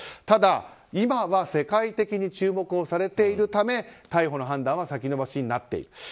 ただ今は世界的に注目をされているため逮捕の判断は先延ばしになっている。